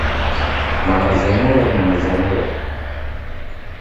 Mama Zanura! Mama Zanura!